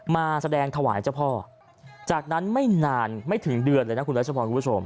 มาแสดงถวายเจ้าพ่อจากนั้นไม่นานไม่ถึงเดือนเลยนะคุณรัชพรคุณผู้ชม